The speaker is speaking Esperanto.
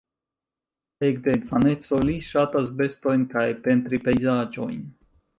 Ekde infaneco li ŝatas bestojn kaj pentri pejzaĝojn.